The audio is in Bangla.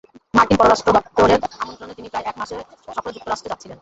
মার্কিন পররাষ্ট্র দপ্তরের আমন্ত্রণে তিনি প্রায় এক মাসের সফরে যুক্তরাষ্ট্রে যাচ্ছিলেন।